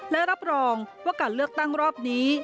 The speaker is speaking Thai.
และรับรองว่าการเลือกตั้งรอบนี้